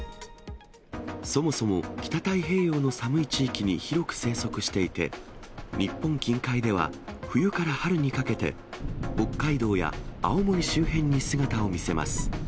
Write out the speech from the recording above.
そもそも北太平洋の寒い地域に広く生息していて、日本近海では冬から春にかけて、北海道や青森周辺に姿を見せます。